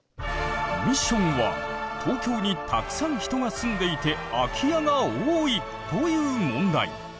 ミッションは東京にたくさん人が住んでいて空き家が多いという問題。